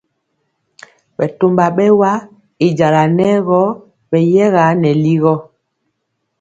Bɛtɔmba bɛwa y jala nɛ gɔ beyɛga nɛ ligɔ.